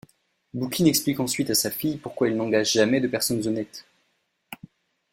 Boukine explique ensuite à sa fille pourquoi il n’engage jamais de personnes honnêtes.